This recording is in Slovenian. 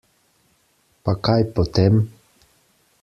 Pa kaj potem.